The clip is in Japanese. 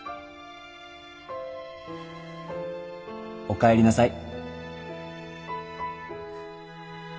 おかえりなさい